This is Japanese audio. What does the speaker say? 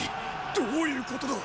どういうことだ。